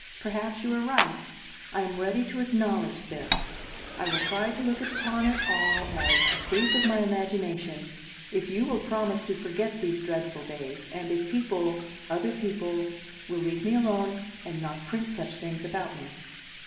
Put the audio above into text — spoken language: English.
Perhaps you are right. I am ready to acknowledge this; I will try to look upon it all as a freak of my imagination if you will promise to forget these dreadful days, and if people, other people, will leave me alone and not print such things about me."